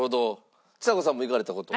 ちさ子さんも行かれた事は？